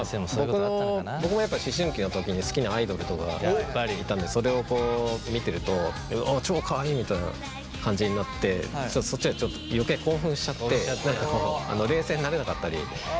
僕もやっぱ思春期の時に好きなアイドルとかいたんでそれを見てると「超かわいい！」みたいな感じになってそっちはちょっと余計興奮しちゃって冷静になれなかったりするんで。